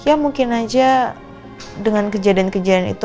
ya mungkin aja dengan kejadian kejadian itu